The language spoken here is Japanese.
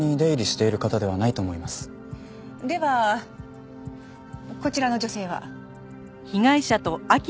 ではこちらの女性は？